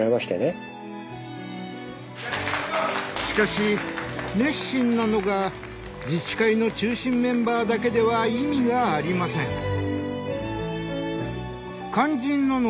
しかし熱心なのが自治会の中心メンバーだけでは意味がありません。